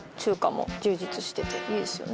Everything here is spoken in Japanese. いいですよね。